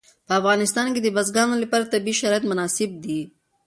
په افغانستان کې د بزګانو لپاره طبیعي شرایط مناسب دي.